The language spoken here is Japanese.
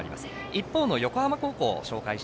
一方の横浜高校です。